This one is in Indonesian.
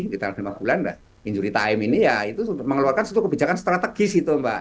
di dalam lima bulan injury time ini ya itu mengeluarkan satu kebijakan strategis gitu mbak